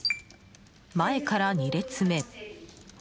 前から２列目。